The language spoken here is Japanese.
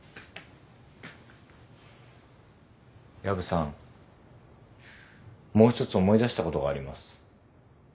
薮さんもう一つ思い出したことがあります。